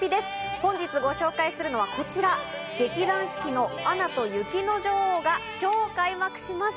本日ご紹介するのはこちら、劇団四季の『アナと雪の女王』が今日開幕します。